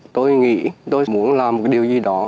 tôi nghĩ tôi muốn làm một điều gì đó